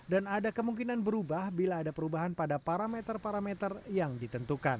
dan ada kemungkinan berubah bila ada perubahan pada parameter parameter yang ditentukan